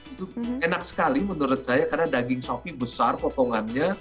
itu enak sekali menurut saya karena daging sapi besar potongannya